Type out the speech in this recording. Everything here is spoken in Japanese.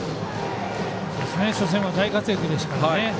初戦は大活躍でしたからね。